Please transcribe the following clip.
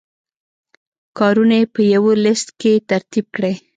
کارونه یې په یوه لست کې ترتیب کړئ.